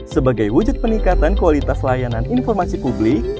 sebagai wujud peningkatan kualitas layanan informasi publik